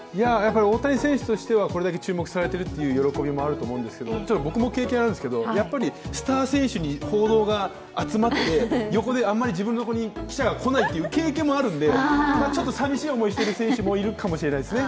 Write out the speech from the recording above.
大谷選手としてはこれだけ注目されているという喜びがあるんでしょうけど僕も経験あるんですけど、スター選手に報道が集まって、横であんまり自分のところに記者が来ないっていう経験もあるんでちょっと寂しい思いしている選手もいるかもしれないですね。